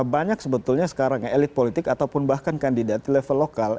banyak sebetulnya sekarang ya elit politik ataupun bahkan kandidat di level lokal